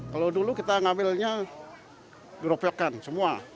kalau dulu kita ngambilnya diropekan semua